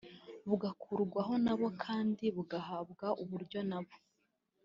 bugakurwaho nabo kandi bugahabwa uburyo nabo